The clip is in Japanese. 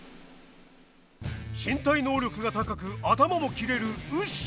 身体能力が高く頭も切れるウシ。